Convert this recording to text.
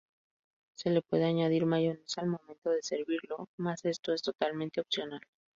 Se le puede añadir mayonesa al momento de servirlo, mas esto es totalmente opcional.